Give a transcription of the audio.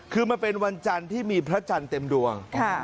คือมันเป็นวันจันทร์ที่มีพระจันทร์เต็มดวง